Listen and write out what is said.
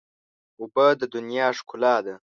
اوبه د دنیا ښکلا ده.